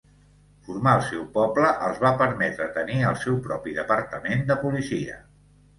Formar el seu poble els va permetre tenir el seu propi departament de policia.